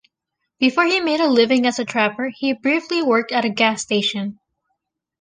Before he made a living as a trapper, he briefly worked at a gas station.